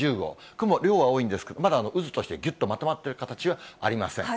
雲、量は多いんですけど、まだ渦として、ぎゅっとまとまっている形はありません。